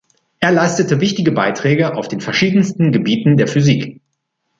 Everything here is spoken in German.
Er leistete wichtige Beiträge auf den verschiedensten Gebieten der Physik.